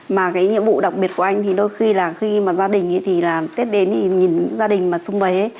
mà cái nhiệm vụ đặc biệt của anh thì đôi khi là khi mà gia đình thì là tết đến thì nhìn gia đình mà xung vầy